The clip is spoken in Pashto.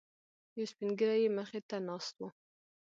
یو سپینږیری یې مخې ته ناست و.